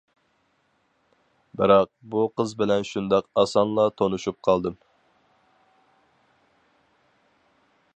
بىراق، بۇ قىز بىلەن شۇنداق ئاسانلا تونۇشۇپ قالدىم.